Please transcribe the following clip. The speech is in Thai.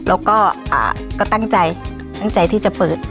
แล้วก็ตั้งใจที่จะเปิด